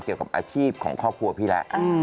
เกี่ยวกับอาชีพของครอบครัวพี่แล้ว